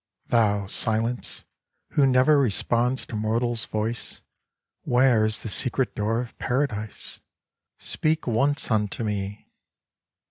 Thou Silence, who never responds to mortal's voice, where is the secret door of Paradise ?— Speak once unto me